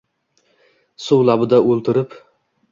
Suv labida o’ltirib.